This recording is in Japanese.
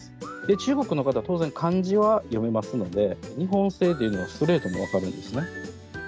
中国の方、当然、感じは読めますので、日本製というのがストレートに分かるんですね。